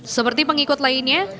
seperti pengikut lainnya